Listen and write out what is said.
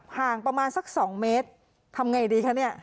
ห่างประมาณสัก๒เมตรทำไงดีคะเนี่ย